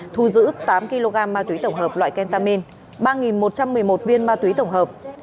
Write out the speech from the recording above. thu giữ tám kg ma túy tổng hợp loại kentamin ba một trăm một mươi một viên ma túy tổng hợp